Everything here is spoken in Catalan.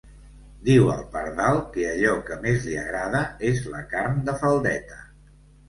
Diu el pardal que allò que més li agrada és la carn de faldeta.